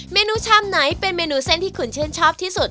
เมนูชามไหนเป็นเมนูเส้นที่คุณชื่นชอบที่สุด